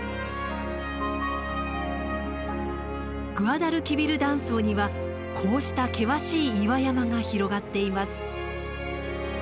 グアダルキビル断層にはこうした険しい岩山が広がっています。